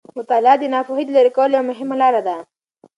مطالعه د ناپوهي د لیرې کولو یوه مهمه لاره ده.